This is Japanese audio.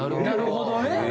なるほどね！